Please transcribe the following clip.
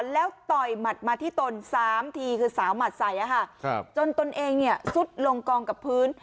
แล้วต่อยหมัดมาที่ตน๓ทีคือสาวหมัดใส่จนตนเองเนี่ยซุดลงกองกับพื้น